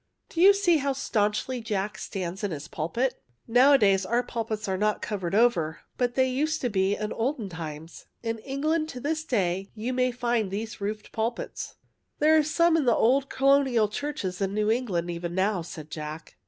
^' Do you see how staunchly Jack stands in his pulpit? Nowadays our pulpits are not covered over, but they used to be in olden times. In England to this day you may find these roofed pulpits." '* There are some in the old Colonial churches of New England even now," said Jack.